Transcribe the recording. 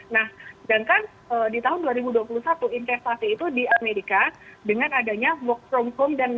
nah sedangkan di tahun dua ribu dua puluh satu investasi itu di amerika dengan adanya work from home